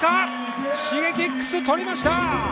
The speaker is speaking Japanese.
Ｓｈｉｇｅｋｉｘ、取りました！